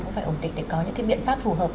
cũng phải ổn định để có những cái biện pháp phù hợp